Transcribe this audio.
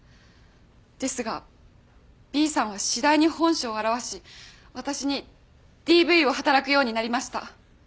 ですがＢさんは次第に本性を現し私にＤＶを働くようになりました。